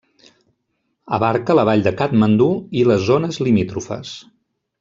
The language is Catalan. Abarca la vall de Kàtmandu i les zones limítrofes.